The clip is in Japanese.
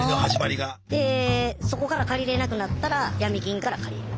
でそこから借りれなくなったらヤミ金から借りる。